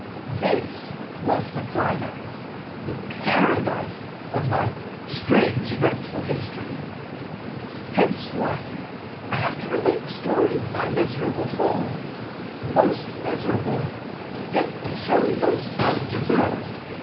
This was the Climax, the Paradise, of my strange eventful History. Henceforth I have to relate the story of my miserable Fall:—most miserable, yet surely most undeserved!